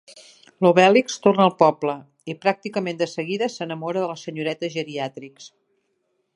L'Obèlix torna al poble i pràcticament de seguida s'enamora de la senyoreta Geriàtrix.